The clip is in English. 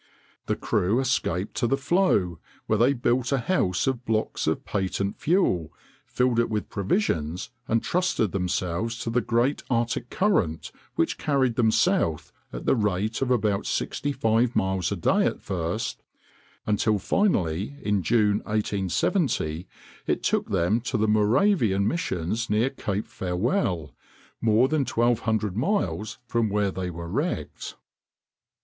The crew escaped to the floe, where they built a house of blocks of patent fuel, filled it with provisions, and trusted themselves to the great Arctic current which carried them south, at the rate of about sixty five miles a day at first, until finally, in June, 1870, it took them to the Moravian missions near Cape Farewell, more than twelve hundred miles from where they were wrecked.